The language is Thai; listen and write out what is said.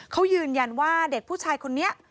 เขายืนยันว่าเด็กผู้ชายคนนี้